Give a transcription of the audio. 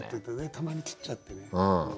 たまに切っちゃってね。